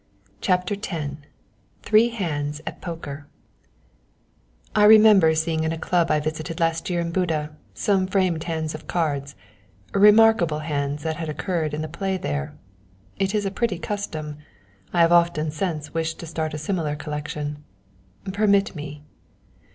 CHAPTER X THREE HANDS AT POKER "I remember seeing in a Club I visited last year in Buda, some framed hands of cards remarkable hands that had occurred in the play there. It is a pretty custom. I have often since wished to start a similar collection. Permit me."